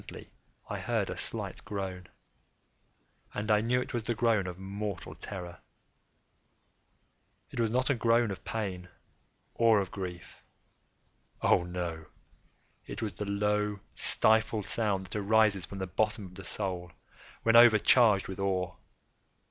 Presently I heard a slight groan, and I knew it was the groan of mortal terror. It was not a groan of pain or of grief—oh, no!—it was the low stifled sound that arises from the bottom of the soul when overcharged with awe.